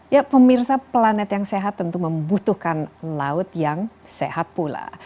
ya pemirsa planet yang sehat tentu membutuhkan laut yang sehat pula